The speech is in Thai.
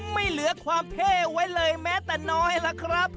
ไม่เหลือความเท่ไว้เลยแม้แต่น้อยล่ะครับ